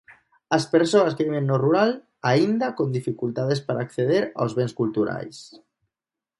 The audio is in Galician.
As persoas que viven no rural, aínda con dificultades para acceder aos bens culturais.